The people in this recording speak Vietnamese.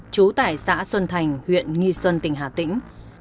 trú tại xã xuân thành huyện nghi xuân tỉnh hà tĩnh